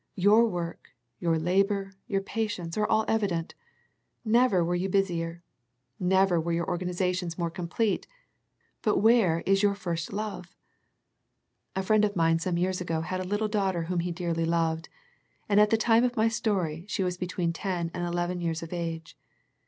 Your work, your labour, your patience are all evident. Never were you busier. Never were your organiza tions more complete, but where is your first love? A friend of mine some years ago had a little daughter whom he dearly loved, and at the time of my story, she was between ten and eleven years of age.